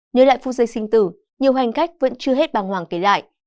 nhớ lại phút giây sinh tử nhiều hành khách vẫn chưa hết bàng hoàng kế lại